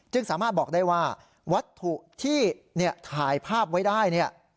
สามารถบอกได้ว่าวัตถุที่ถ่ายภาพไว้ได้เนี่ย